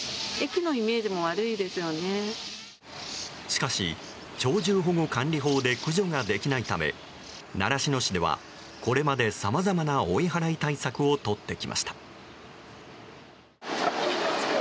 しかし、鳥獣保護管理法で駆除ができないため習志野市ではこれまでさまざまな追い払い対策をとってきました。